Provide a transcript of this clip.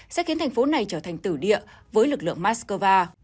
sẽ khiến thành phố này trở thành tử địa với lực lượng moscow